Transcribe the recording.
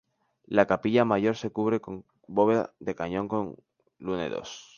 La capilla mayor se cubre con bóveda de cañón con lunetos.